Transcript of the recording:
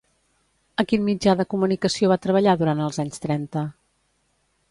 A quin mitjà de comunicació va treballar durant els anys trenta?